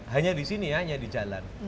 hanya di sini hanya di jalan